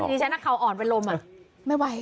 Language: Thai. นี่ใช้หน้าเขาอ่อนไปลมอ่ะไม่ไหว